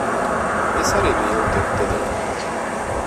Es arī mīlu tevi, Tedij.